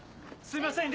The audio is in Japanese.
すいません。